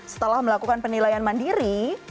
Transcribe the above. setelah memohon usahan urjangan sistem pandemik beberapa game